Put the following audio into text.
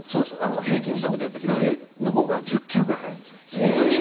平均速度で言うと左のほうが１０ｋｍくらい速いんです。